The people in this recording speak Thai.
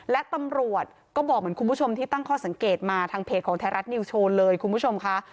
และตำรวจก็บอกเหมือนคุณผู้ชมที่ตั้งข้อสังเกตมาทางเพจของไทยรัฐนิวโชว์เลยคุณผู้ชมค่ะ